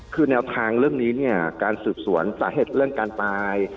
คือแนวทางเรื่องนี้เนี่ยการสืบสวนสาเหตุเรื่องการตาย